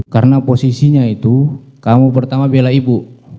karena posisinya itu kamu pertama bela ibu